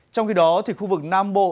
trong khi đó thì khu vực nam bộ